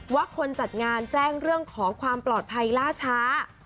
ว่าคนจัดงานแจ้งเรื่องของความปลอดภัยล่าช้า